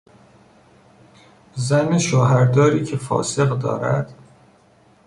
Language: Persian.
زن شوهر داری که فاسق دارد